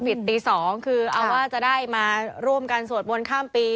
ตี๒คือเอาว่าจะได้มาร่วมกันสวดมนต์ข้ามปี